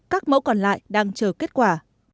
các mẫu còn lại đang chờ kết quả